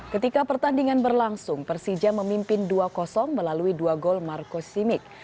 ketika pertandingan berlangsung persija memimpin dua melalui dua gol marco simic